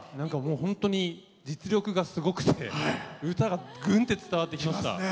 本当に実力がすごくて歌が、ぐんって伝わってきました。